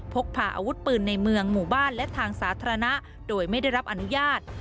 พกพาอาวุธปืนในเมืองหมู่บ้านและทางสาธารณะโดยไม่ได้รับอนุญาต